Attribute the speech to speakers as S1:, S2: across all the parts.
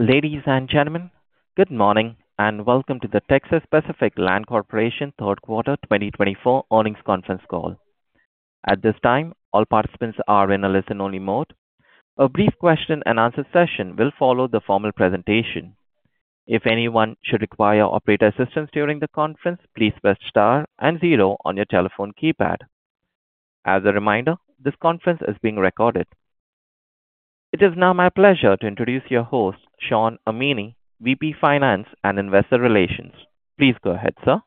S1: Ladies and gentlemen, good morning and welcome to the Texas Pacific Land Corporation third quarter 2024 earnings conference call. At this time, all participants are in a listen-only mode. A brief question-and-answer session will follow the formal presentation. If anyone should require operator assistance during the conference, please press star and zero on your telephone keypad. As a reminder, this conference is being recorded. It is now my pleasure to introduce your host, Shawn Amini, VP Finance and Investor Relations. Please go ahead, sir.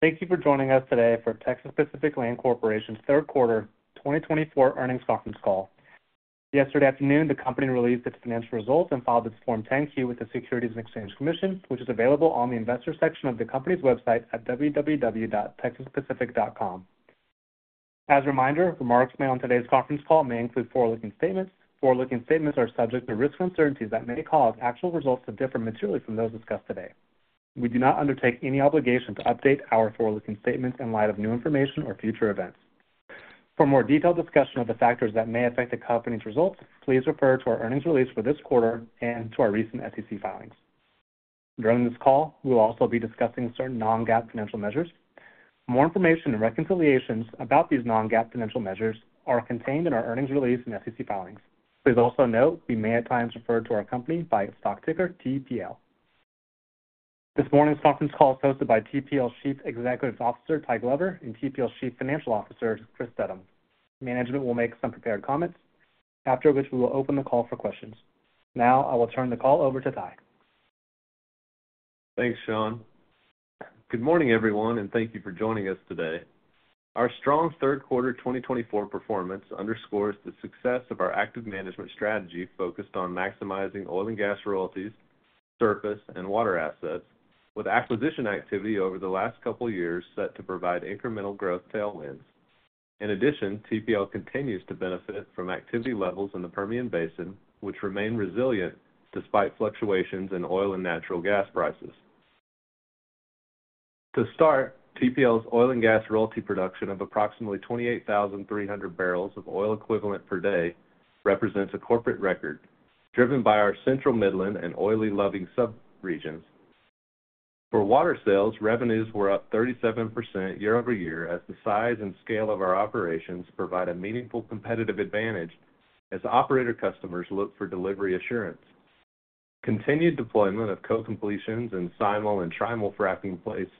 S2: Thank you for joining us today for Texas Pacific Land Corporation's third quarter 2024 earnings conference call. Yesterday afternoon, the company released its financial results and filed its Form 10-Q with the Securities and Exchange Commission, which is available on the investor section of the company's website at www.texaspacific.com. As a reminder, remarks made on today's conference call may include forward-looking statements. Forward-looking statements are subject to risk uncertainties that may cause actual results to differ materially from those discussed today. We do not undertake any obligation to update our forward-looking statements in light of new information or future events. For more detailed discussion of the factors that may affect the company's results, please refer to our earnings release for this quarter and to our recent SEC filings. During this call, we will also be discussing certain non-GAAP financial measures. More information and reconciliations about these non-GAAP financial measures are contained in our earnings release and SEC filings. Please also note we may at times refer to our company by its stock ticker, TPL. This morning's conference call is hosted by TPL Chief Executive Officer Ty Glover and TPL Chief Financial Officer Chris Steddum. Management will make some prepared comments, after which we will open the call for questions. Now, I will turn the call over to Ty.
S3: Thanks Shawn. Good morning, everyone, and thank you for joining us today. Our strong third quarter 2024 performance underscores the success of our active management strategy focused on maximizing oil and gas royalties, surface, and water assets, with acquisition activity over the last couple of years set to provide incremental growth tailwinds. In addition, TPL continues to benefit from activity levels in the Permian Basin, which remain resilient despite fluctuations in oil and natural gas prices. To start, TPL's oil and gas royalty production of approximately 28,300 barrels of oil equivalent per day represents a corporate record driven by our central Midland and oil-loving subregions. For water sales, revenues were up 37% year-over-year as the size and scale of our operations provide a meaningful competitive advantage as operator customers look for delivery assurance. Continued deployment of co-completions and simul-frac and trimul-frac fracking placed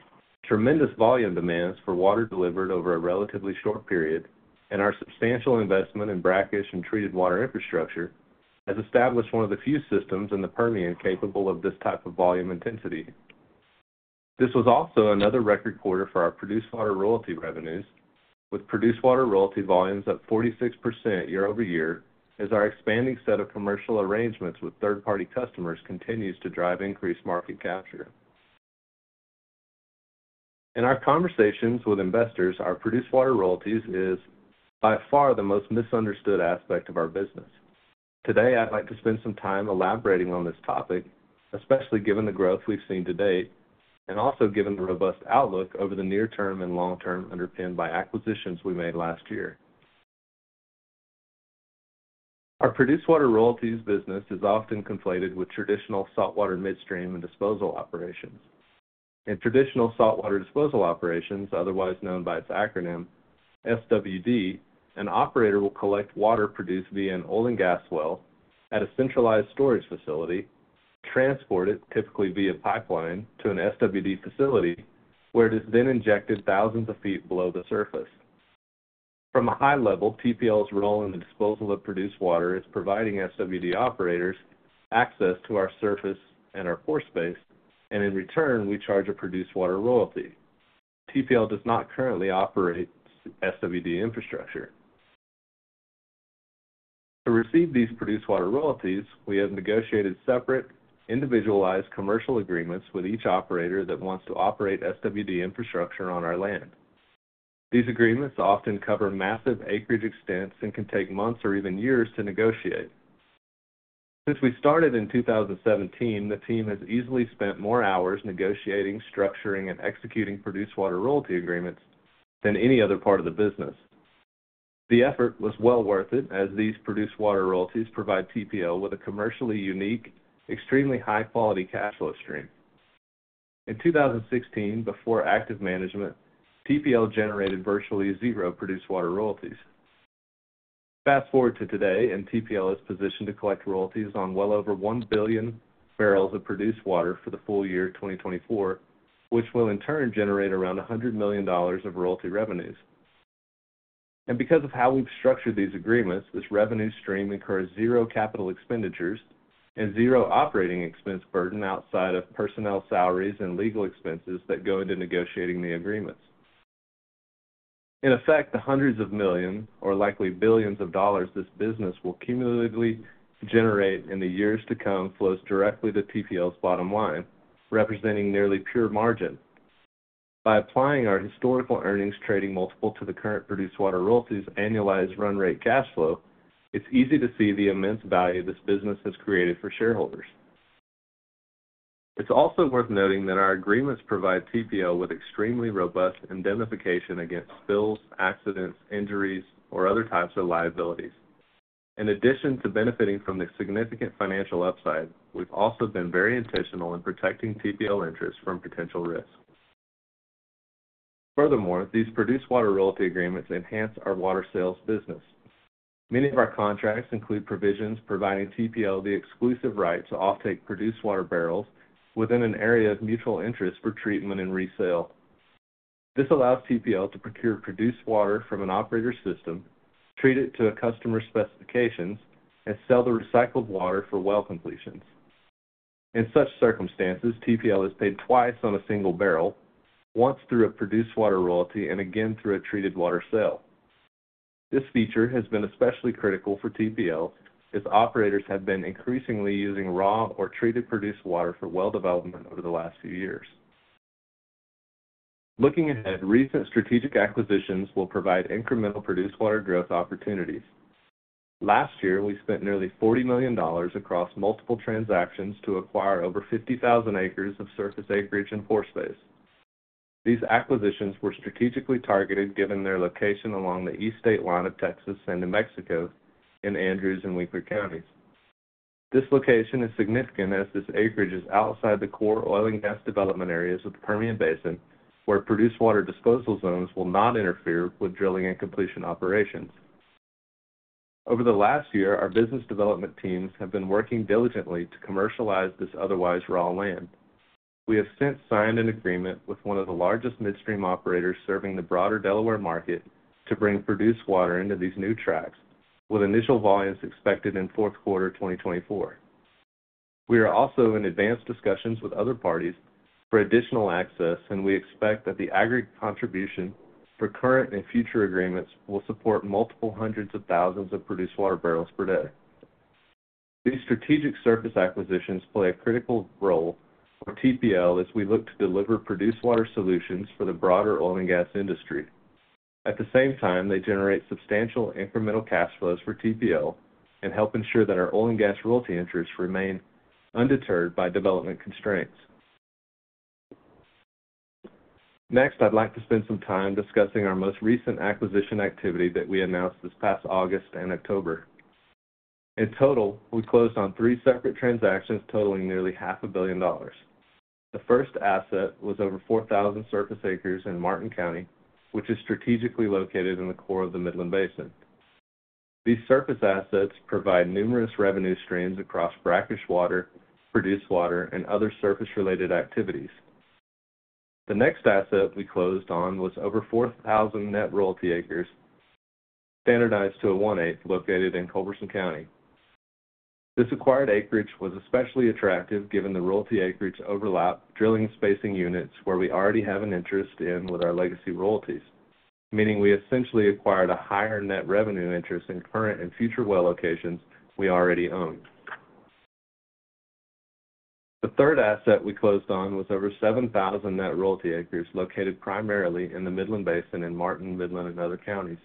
S3: tremendous volume demands for water delivered over a relatively short period, and our substantial investment in brackish and treated water infrastructure has established one of the few systems in the Permian capable of this type of volume intensity. This was also another record quarter for our produced water royalty revenues, with produced water royalty volumes up 46% year-over-year as our expanding set of commercial arrangements with third-party customers continues to drive increased market capture. In our conversations with investors, our produced water royalties is by far the most misunderstood aspect of our business. Today, I'd like to spend some time elaborating on this topic, especially given the growth we've seen to date and also given the robust outlook over the near term and long term underpinned by acquisitions we made last year. Our produced water royalties business is often conflated with traditional saltwater midstream and disposal operations. In traditional saltwater disposal operations, otherwise known by its acronym, SWD, an operator will collect water produced via an oil and gas well at a centralized storage facility, transport it typically via pipeline to an SWD facility where it is then injected thousands of feet below the surface. From a high level, TPL's role in the disposal of produced water is providing SWD operators access to our surface and our pore space, and in return, we charge a produced water royalty. TPL does not currently operate SWD infrastructure. To receive these produced water royalties, we have negotiated separate, individualized commercial agreements with each operator that wants to operate SWD infrastructure on our land. These agreements often cover massive acreage extents and can take months or even years to negotiate. Since we started in 2017, the team has easily spent more hours negotiating, structuring, and executing produced water royalty agreements than any other part of the business. The effort was well worth it as these produced water royalties provide TPL with a commercially unique, extremely high-quality cash flow stream. In 2016, before active management, TPL generated virtually zero produced water royalties. Fast forward to today, and TPL is positioned to collect royalties on well over 1 billion barrels of produced water for the full year 2024, which will in turn generate around $100 million of royalty revenues, and because of how we've structured these agreements, this revenue stream incurs zero capital expenditures and zero operating expense burden outside of personnel salaries and legal expenses that go into negotiating the agreements. In effect, the hundreds of millions, or likely billions of dollars, this business will cumulatively generate in the years to come flows directly to TPL's bottom line, representing nearly pure margin. By applying our historical earnings trading multiple to the current produced water royalties' annualized run rate cash flow, it's easy to see the immense value this business has created for shareholders. It's also worth noting that our agreements provide TPL with extremely robust indemnification against spills, accidents, injuries, or other types of liabilities. In addition to benefiting from the significant financial upside, we've also been very intentional in protecting TPL interests from potential risk. Furthermore, these produced water royalty agreements enhance our water sales business. Many of our contracts include provisions providing TPL the exclusive right to offtake produced water barrels within an area of mutual interest for treatment and resale. This allows TPL to procure produced water from an operator's system, treat it to a customer's specifications, and sell the recycled water for well completions. In such circumstances, TPL is paid twice on a single barrel, once through a produced water royalty and again through a treated water sale. This feature has been especially critical for TPL as operators have been increasingly using raw or treated produced water for well development over the last few years. Looking ahead, recent strategic acquisitions will provide incremental produced water growth opportunities. Last year, we spent nearly $40 million across multiple transactions to acquire over 50,000 acres of surface acreage and pore space. These acquisitions were strategically targeted given their location along the East State Line of Texas and New Mexico in Andrews and Winkler counties. This location is significant as this acreage is outside the core oil and gas development areas of the Permian Basin, where produced water disposal zones will not interfere with drilling and completion operations. Over the last year, our business development teams have been working diligently to commercialize this otherwise raw land. We have since signed an agreement with one of the largest midstream operators serving the broader Delaware market to bring produced water into these new tracts, with initial volumes expected in fourth quarter 2024. We are also in advanced discussions with other parties for additional access, and we expect that the aggregate contribution for current and future agreements will support multiple hundreds of thousands of produced water barrels per day. These strategic surface acquisitions play a critical role for TPL as we look to deliver produced water solutions for the broader oil and gas industry. At the same time, they generate substantial incremental cash flows for TPL and help ensure that our oil and gas royalty interests remain undeterred by development constraints. Next, I'd like to spend some time discussing our most recent acquisition activity that we announced this past August and October. In total, we closed on three separate transactions totaling nearly $500,000,000. The first asset was over 4,000 surface acres in Martin County, which is strategically located in the core of the Midland Basin. These surface assets provide numerous revenue streams across brackish water, produced water, and other surface-related activities. The next asset we closed on was over 4,000 net royalty acres standardized to a 1/8 located in Culberson County. This acquired acreage was especially attractive given the royalty acreage overlap drilling spacing units where we already have an interest in with our legacy royalties, meaning we essentially acquired a higher net revenue interest in current and future well locations we already owned. The third asset we closed on was over 7,000 net royalty acres located primarily in the Midland Basin in Martin, Midland, and other counties.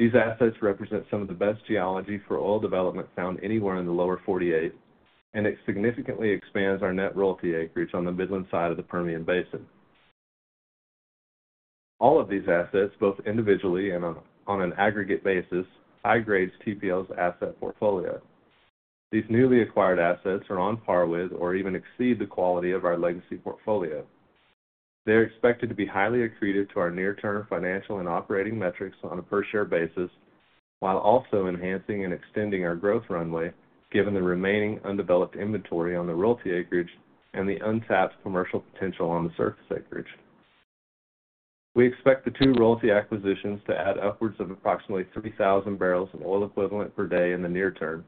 S3: These assets represent some of the best geology for oil development found anywhere in the Lower 48, and it significantly expands our net royalty acreage on the Midland side of the Permian Basin. All of these assets, both individually and on an aggregate basis, high-grade TPL's asset portfolio. These newly acquired assets are on par with or even exceed the quality of our legacy portfolio. They are expected to be highly accretive to our near-term financial and operating metrics on a per-share basis, while also enhancing and extending our growth runway given the remaining undeveloped inventory on the royalty acreage and the untapped commercial potential on the surface acreage. We expect the two royalty acquisitions to add upwards of approximately 3,000 barrels of oil equivalent per day in the near term,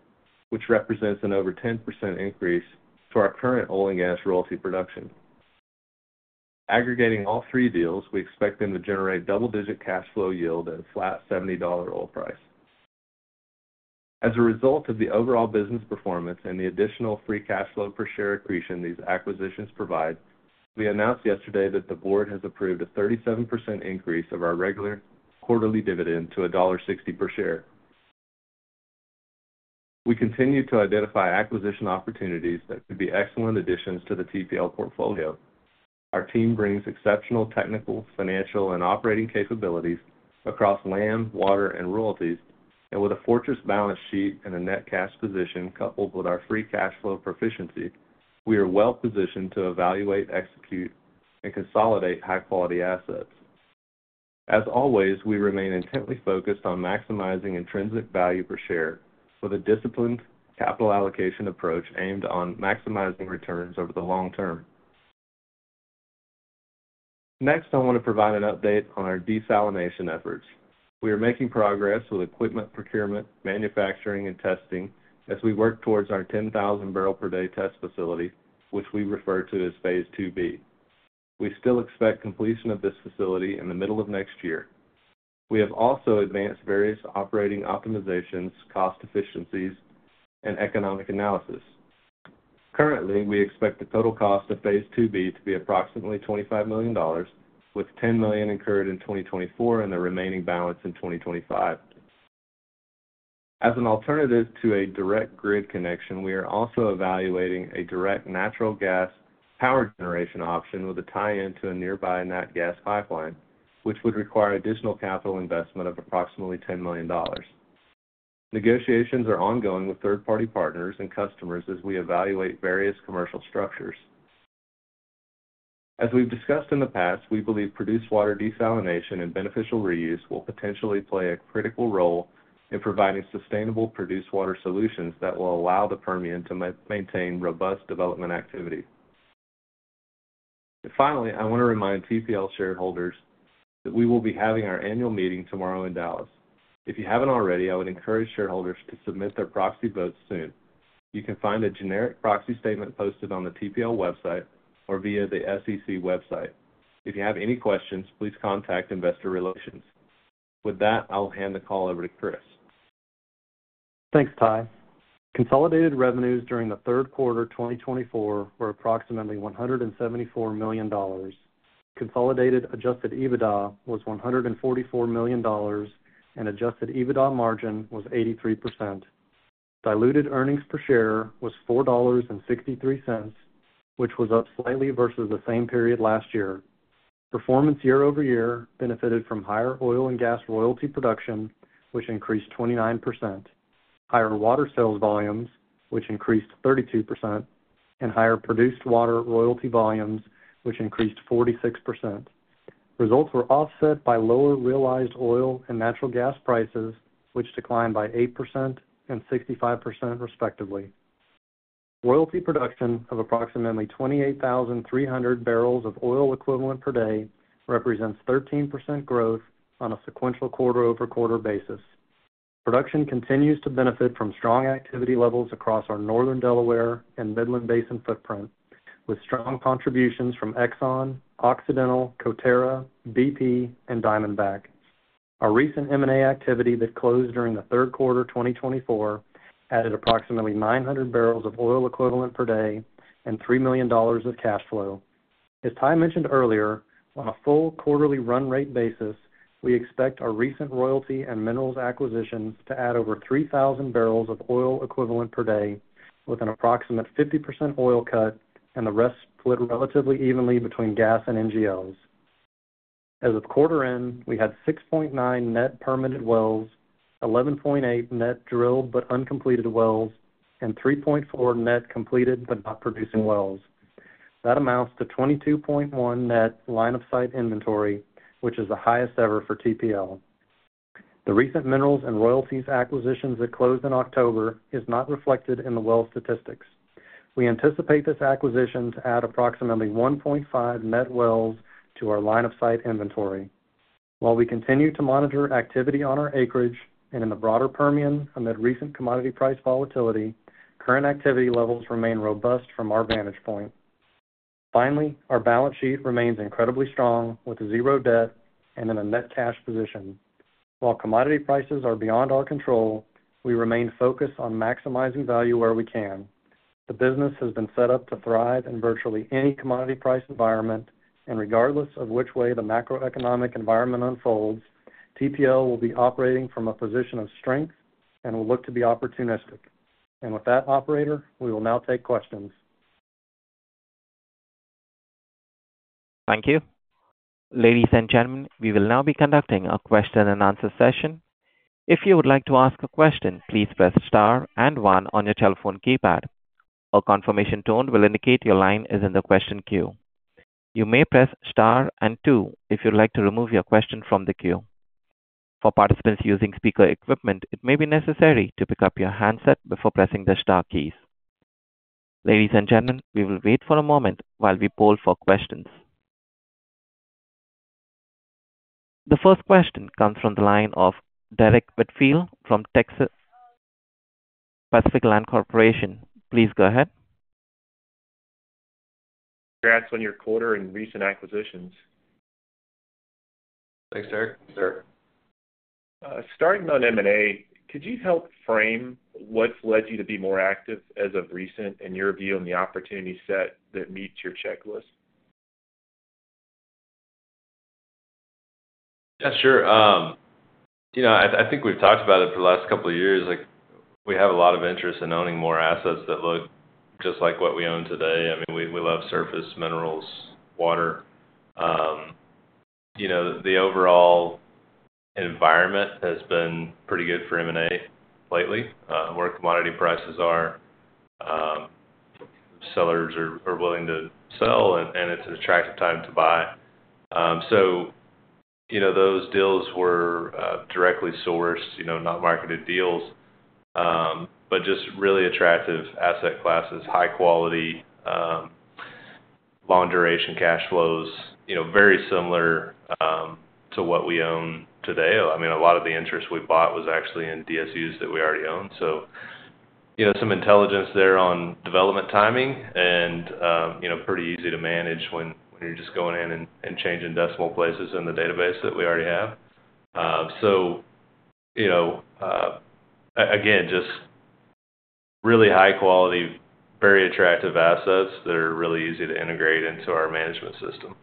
S3: which represents an over 10% increase to our current oil and gas royalty production. Aggregating all three deals, we expect them to generate double-digit cash flow yield and a flat $70 oil price. As a result of the overall business performance and the additional free cash flow per share accretion these acquisitions provide, we announced yesterday that the board has approved a 37% increase of our regular quarterly dividend to $1.60 per share. We continue to identify acquisition opportunities that could be excellent additions to the TPL portfolio. Our team brings exceptional technical, financial, and operating capabilities across land, water, and royalties, and with a fortress balance sheet and a net cash position coupled with our free cash flow proficiency, we are well positioned to evaluate, execute, and consolidate high-quality assets. As always, we remain intently focused on maximizing intrinsic value per share with a disciplined capital allocation approach aimed on maximizing returns over the long term. Next, I want to provide an update on our desalination efforts. We are making progress with equipment procurement, manufacturing, and testing as we work towards our 10,000 barrel per day test facility, which we refer to as phase ll-B. We still expect completion of this facility in the middle of next year. We have also advanced various operating optimizations, cost efficiencies, and economic analysis. Currently, we expect the total cost of phase ll-B to be approximately $25 million, with $10 million incurred in 2024 and the remaining balance in 2025. As an alternative to a direct grid connection, we are also evaluating a direct natural gas power generation option with a tie-in to a nearby natural gas pipeline, which would require additional capital investment of approximately $10 million. Negotiations are ongoing with third-party partners and customers as we evaluate various commercial structures. As we've discussed in the past, we believe produced water desalination and beneficial reuse will potentially play a critical role in providing sustainable produced water solutions that will allow the Permian to maintain robust development activity. Finally, I want to remind TPL shareholders that we will be having our annual meeting tomorrow in Dallas. If you haven't already, I would encourage shareholders to submit their proxy votes soon. You can find a generic proxy statement posted on the TPL website or via the SEC website. If you have any questions, please contact investor relations. With that, I'll hand the call over to Chris. Thanks Ty. Consolidated revenues during the third quarter 2024 were approximately $174 million. Consolidated Adjusted EBITDA was $144 million, and Adjusted EBITDA margin was 83%. Diluted earnings per share was $4.63, which was up slightly versus the same period last year. Performance year-over-year benefited from higher oil and gas royalty production, which increased 29%, higher water sales volumes, which increased 32%, and higher produced water royalty volumes, which increased 46%. Results were offset by lower realized oil and natural gas prices, which declined by 8% and 65%, respectively. Royalty production of approximately 28,300 barrels of oil equivalent per day represents 13% growth on a sequential quarter-over-quarter basis. Production continues to benefit from strong activity levels across our Northern Delaware and Midland Basin footprint, with strong contributions from Exxon, Occidental, Coterra, BP, and Diamondback. Our recent M&A activity that closed during the third quarter 2024 added approximately 900 barrels of oil equivalent per day and $3 million of cash flow. As Ty mentioned earlier, on a full quarterly run rate basis, we expect our recent royalty and minerals acquisitions to add over 3,000 barrels of oil equivalent per day, with an approximate 50% oil cut, and the rest split relatively evenly between gas and NGLs. As of quarter end, we had 6.9 net permitted wells, 11.8 net drilled but uncompleted wells, and 3.4 net completed but not producing wells. That amounts to 22.1 net line-of-sight inventory, which is the highest ever for TPL. The recent minerals and royalties acquisitions that closed in October are not reflected in the well statistics. We anticipate this acquisition to add approximately 1.5 net wells to our line-of-sight inventory. While we continue to monitor activity on our acreage and in the broader Permian amid recent commodity price volatility, current activity levels remain robust from our vantage point. Finally, our balance sheet remains incredibly strong with zero debt and in a net cash position. While commodity prices are beyond our control, we remain focused on maximizing value where we can. The business has been set up to thrive in virtually any commodity price environment, and regardless of which way the macroeconomic environment unfolds, TPL will be operating from a position of strength and will look to be opportunistic. And with that, operator, we will now take questions. Thank you.
S1: Ladies and gentlemen, we will now be conducting a question and answer session. If you would like to ask a question, please press star and one on your telephone keypad. A confirmation tone will indicate your line is in the question queue. You may press star and two if you'd like to remove your question from the queue. For participants using speaker equipment, it may be necessary to pick up your handset before pressing the star keys. Ladies and gentlemen, we will wait for a moment while we poll for questions. The first question comes from the line of Derek Whitfield from Texas Pacific Land Corporation. Please go ahead.
S4: Congrats on your quarter and recent acquisitions.
S3: Thanks Derek.
S4: Sir. Starting on M&A, could you help frame what's led you to be more active as of recent and your view on the opportunity set that meets your checklist?
S3: Yeah, sure. You know, I think we've talked about it for the last couple of years. We have a lot of interest in owning more assets that look just like what we own today. I mean, we love surface minerals, water. The overall environment has been pretty good for M&A lately, where commodity prices are, sellers are willing to sell, and it's an attractive time to buy. So those deals were directly sourced, not marketed deals, but just really attractive asset classes, high-quality, long-duration cash flows, very similar to what we own today. I mean, a lot of the interest we bought was actually in DSUs that we already owned. So some intelligence there on development timing and pretty easy to manage when you're just going in and changing decimal places in the database that we already have. So again, just really high-quality, very attractive assets that are really easy to integrate into our management system.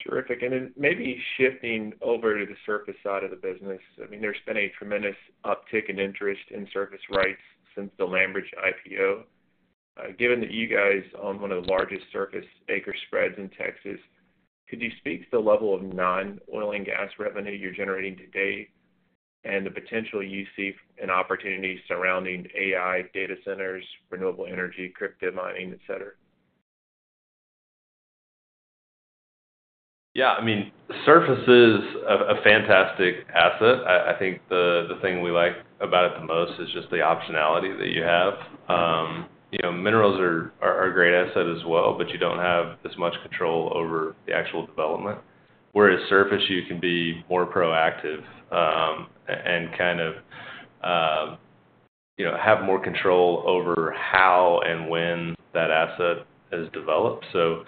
S3: Terrific. And then maybe shifting over to the surface side of the business. I mean, there's been a tremendous uptick in interest in surface rights since the LandBridge IPO. Given that you guys own one of the largest surface acre spreads in Texas, could you speak to the level of non-oil and gas revenue you're generating today and the potential you see and opportunities surrounding AI data centers, renewable energy, crypto mining, etc.? Yeah. I mean, surface is a fantastic asset. I think the thing we like about it the most is just the optionality that you have. Minerals are a great asset as well, but you don't have as much control over the actual development. Whereas surface, you can be more proactive and kind of have more control over how and when that asset is developed, so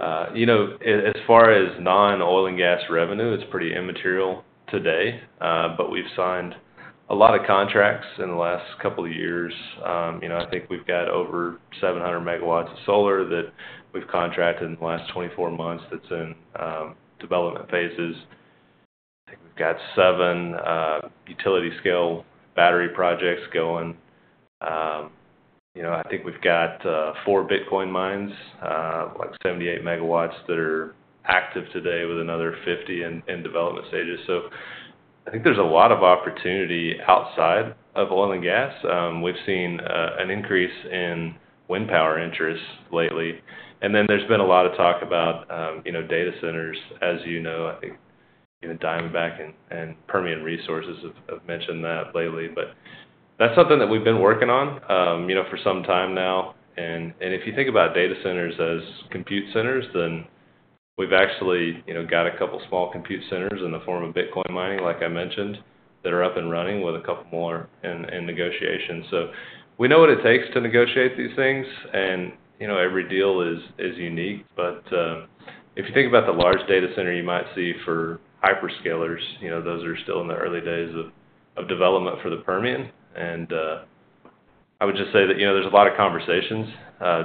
S3: as far as non-oil and gas revenue, it's pretty immaterial today, but we've signed a lot of contracts in the last couple of years. I think we've got over 700 megawatts of solar that we've contracted in the last 24 months that's in development phases. I think we've got seven utility-scale battery projects going. I think we've got four Bitcoin mines, like 78 megawatts, that are active today with another 50 in development stages, so I think there's a lot of opportunity outside of oil and gas. We've seen an increase in wind power interest lately, and then there's been a lot of talk about data centers, as you know. I think Diamondback and Permian Resources have mentioned that lately, but that's something that we've been working on for some time now, and if you think about data centers as compute centers, then we've actually got a couple of small compute centers in the form of Bitcoin mining, like I mentioned, that are up and running with a couple more in negotiation, so we know what it takes to negotiate these things, and every deal is unique, but if you think about the large data center you might see for hyperscalers, those are still in the early days of development for the Permian, and I would just say that there's a lot of conversations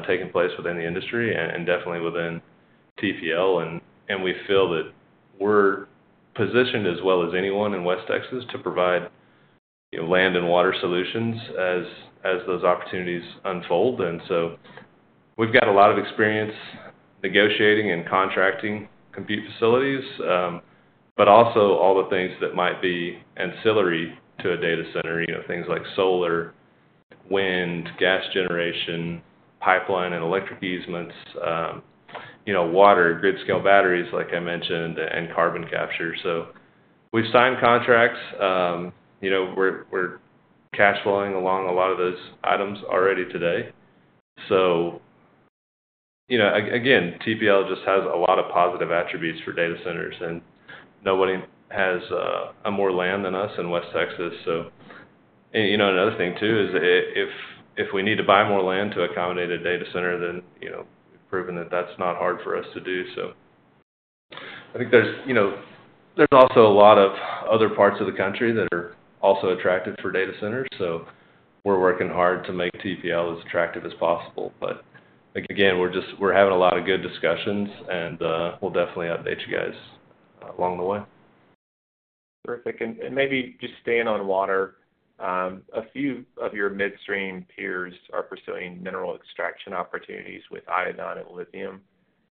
S3: taking place within the industry and definitely within TPL, and we feel that we're positioned as well as anyone in West Texas to provide land and water solutions as those opportunities unfold. And so we've got a lot of experience negotiating and contracting compute facilities, but also all the things that might be ancillary to a data center, things like solar, wind, gas generation, pipeline and electric easements, water, grid-scale batteries, like I mentioned, and carbon capture. So we've signed contracts. We're cash flowing along a lot of those items already today. So again, TPL just has a lot of positive attributes for data centers, and nobody has more land than us in West Texas. So another thing, too, is if we need to buy more land to accommodate a data center, then we've proven that that's not hard for us to do. So I think there's also a lot of other parts of the country that are also attractive for data centers. So we're working hard to make TPL as attractive as possible. But again, we're having a lot of good discussions, and we'll definitely update you guys along the way. Terrific. And maybe just staying on water, a few of your midstream peers are pursuing mineral extraction opportunities with iodine and lithium.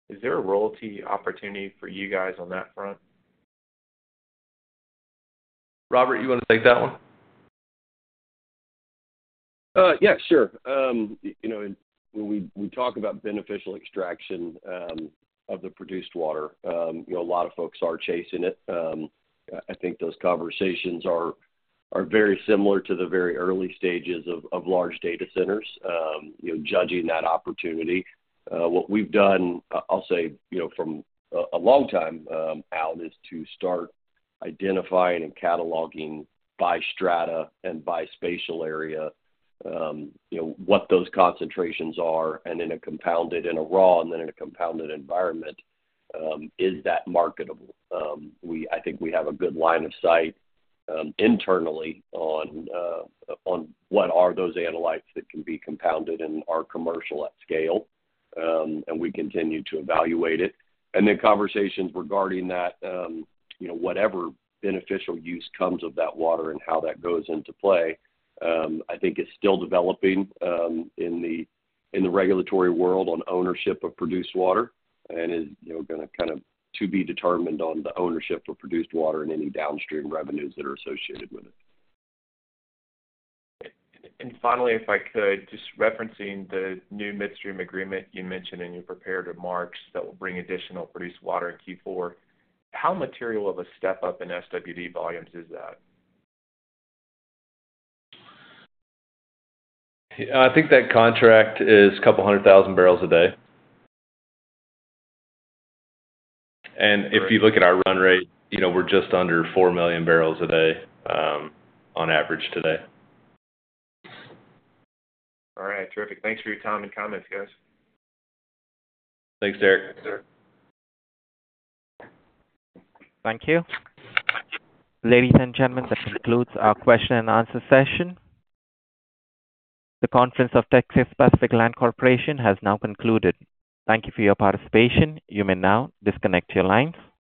S3: Is there a royalty opportunity for you guys on that front? Robert, you want to take that one? Yeah, sure. When we talk about beneficial extraction of the produced water, a lot of folks are chasing it. I think those conversations are very similar to the very early stages of large data centers, judging that opportunity. What we've done, I'll say from a long time out, is to start identifying and cataloging by strata and by spatial area, what those concentrations are, and then compound it in a raw and then in a compounded environment. Is that marketable? I think we have a good line of sight internally on what are those analytes that can be compounded and are commercial at scale, and we continue to evaluate it. And then conversations regarding that, whatever beneficial use comes of that water and how that goes into play, I think is still developing in the regulatory world on ownership of produced water and is going to kind of to be determined on the ownership of produced water and any downstream revenues that are associated with it. And finally, if I could, just referencing the new midstream agreement you mentioned and you prepared in March that will bring additional produced water in Q4, how material of a step up in SWD volumes is that? I think that contract is a couple hundred thousand barrels a day. And if you look at our run rate, we're just under four million barrels a day on average today.
S4: All right. Terrific. Thanks for your time and comments, guys.
S3: Thanks, Derek.
S1: Thank you. Ladies and gentlemen, that concludes our question and answer session. The conference of Texas Pacific Land Corporation has now concluded. Thank you for your participation. You may now disconnect your lines.